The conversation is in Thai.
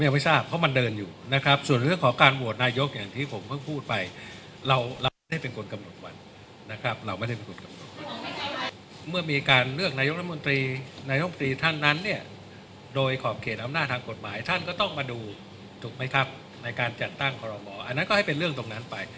คุณผู้ชมคุณผู้ชมคุณผู้ชมคุณผู้ชมคุณผู้ชมคุณผู้ชมคุณผู้ชมคุณผู้ชมคุณผู้ชมคุณผู้ชมคุณผู้ชมคุณผู้ชมคุณผู้ชมคุณผู้ชมคุณผู้ชมคุณผู้ชมคุณผู้ชมคุณผู้ชมคุณผู้ชมคุณผู้ชมคุณผู้ชมคุณผู้ชมคุณผู้ชมคุณผู้ชมคุณผู้ชมคุณผู้ชมคุณผู้ชมคุณผู้